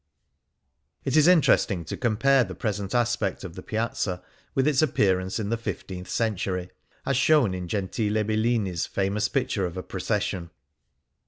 It is interesting to compare the present aspect of the Piazza with its appearance in the fifteenth century, as shown in Gentile Bellini's famous picture of a procession.